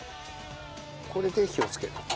これで火をつける。